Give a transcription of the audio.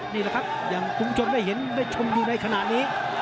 นี่แหละครับอย่างคุณผู้ชมได้เห็นได้ชมอยู่ในขณะนี้